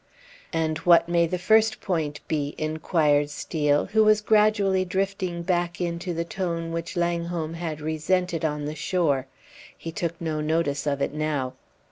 "And what may the first point be?" inquired Steel, who was gradually drifting back into the tone which Langholm had resented on the shore; he took no notice of it now.